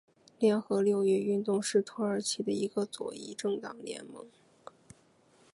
联合六月运动是土耳其的一个左翼政党联盟。